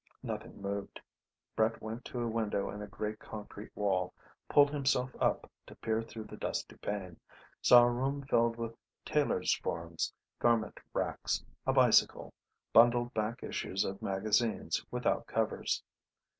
Nothing moved. Brett went to a window in a grey concrete wall, pulled himself up to peer through the dusty pane, saw a room filled with tailor's forms, garment racks, a bicycle, bundled back issues of magazines without covers.